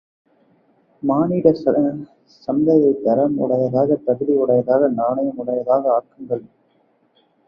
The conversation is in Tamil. மானிடச் சந்தையைத் தரம் உடையதாக தகுதி உடையதாக நாணயம் உடையதாக ஆக்குங்கள்.